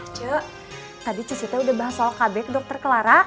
ace tadi cucu teh udah bahas soal kabik dokter kelara